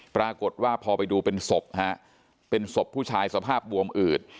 ปรากฏว่าพอไปดูเป็นศพฮะเป็นศพผู้ชายสภาพบวมอืด